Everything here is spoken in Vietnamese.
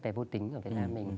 về vô tính của việt nam